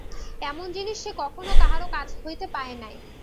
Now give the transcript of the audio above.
এমন জিনিস সে কখনো কাহারো কাছ হইতে পায় নাই।